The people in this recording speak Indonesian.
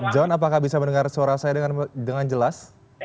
john apakah bisa mendengar suara saya dengan jelas